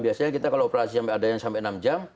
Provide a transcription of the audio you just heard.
biasanya kita kalau operasi sampai ada yang sampai enam jam